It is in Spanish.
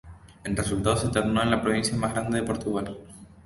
En resultado, se tornó en la provincia más grande de Portugal.